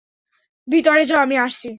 ভিতরে যাও - আমি আসছি।